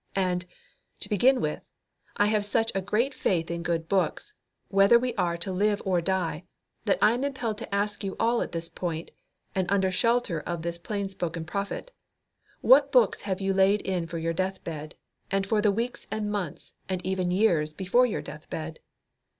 And, to begin with, I have such a great faith in good books, whether we are to live or die, that I am impelled to ask you all at this point, and under shelter of this plain spoken prophet, What books have you laid in for your deathbed, and for the weeks and months and even years before your death bed?